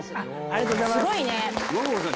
ありがとうございます！